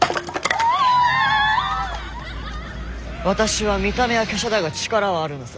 私は見た目は華奢だが力はあるのさ。